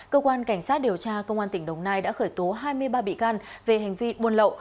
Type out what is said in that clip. cơ quan cảnh sát điều tra công an tỉnh đồng nai đã khởi tố hai mươi ba bị can về hành vi buôn lậu